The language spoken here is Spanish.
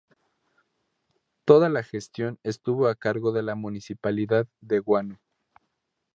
Toda la gestión estuvo a cargo de la Municipalidad de Guano.